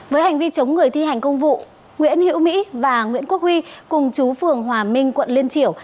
với hành vi chống người thi hành công vụ nguyễn hiễu mỹ và nguyễn quốc huy cùng chú phường hòa minh quận liên triểu